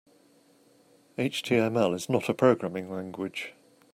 HTML is not a programming language.